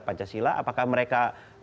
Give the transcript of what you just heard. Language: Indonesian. pancasila apakah mereka